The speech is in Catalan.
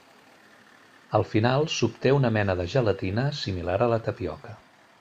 Al final s'obté una mena de gelatina similar a la tapioca.